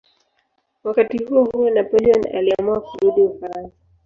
Wakati huohuo Napoleon aliamua kurudi Ufaransa.